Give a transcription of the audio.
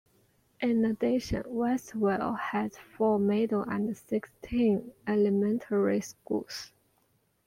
In addition, Westerville has four middle and sixteen elementary schools.